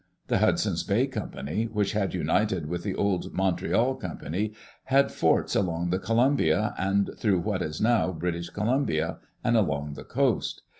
The Hudson's Bay Company, which had united with the old Montreal Company, had forts along the Columbia, and through what is now British Columbia, and along the coast.